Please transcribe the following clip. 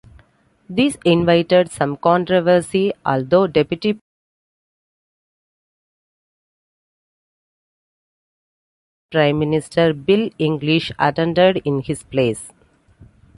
This invited some controversy, although Deputy Prime Minister Bill English attended in his place.